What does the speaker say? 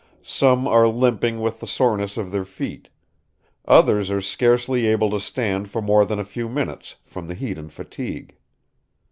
Some are limping with the soreness of their feet; others are scarcely able to stand for more than a few minutes, from the heat and fatigue.